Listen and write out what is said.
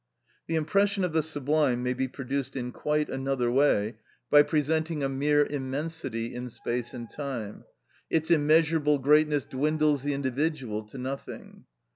The impression of the sublime may be produced in quite another way, by presenting a mere immensity in space and time; its immeasurable greatness dwindles the individual to nothing.